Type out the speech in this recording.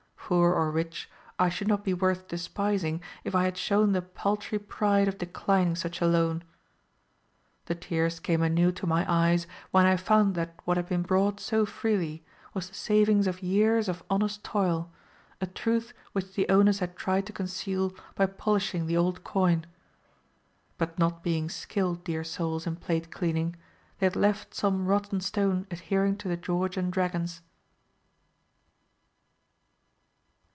Poor or rich, I should not be worth despising, if I had shown the paltry pride of declining such a loan. The tears came anew to my eyes when I found that what had been brought so freely was the savings of years of honest toil, a truth which the owners had tried to conceal by polishing the old coin. But not being skilled, dear souls, in plate cleaning, they had left some rotten stone adhering to the George and Dragons.